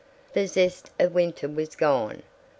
The zest of winter was gone.